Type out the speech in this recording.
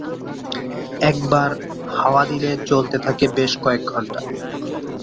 একবার হাওয়া দিলে জ্বলতে থাকে বেশ কয়েক ঘণ্টা।